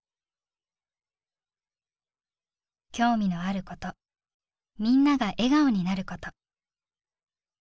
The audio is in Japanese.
「興味のあることみんなが笑顔になること」。